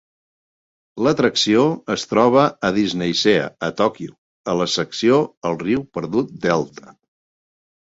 L'atracció es troba a DisneySea a Tòquio, a la secció el riu perdut Delta.